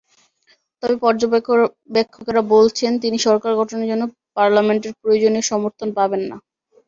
তবে পর্যবেক্ষকেরা বলছেন, তিনি সরকার গঠনের জন্য পার্লামেন্টের প্রয়োজনীয় সমর্থন পাবেন না।